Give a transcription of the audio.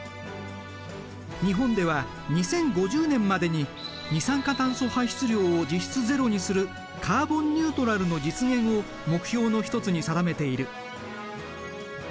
日本では２０５０年までに二酸化炭素排出量を実質ゼロにするカーボンニュートラルの実現を目標の一つに定めている。